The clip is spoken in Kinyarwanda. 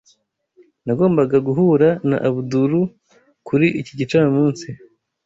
Nagombaga guhura na Abdul kuri iki gicamunsi.